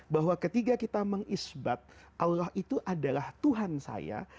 bahwa ketika kita mengisbat allah itu adalah tuhan saya